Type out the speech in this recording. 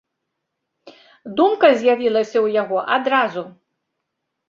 Думка з'явілася ў яго адразу.